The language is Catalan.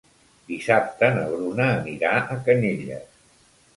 Dissabte na Bruna anirà a Canyelles.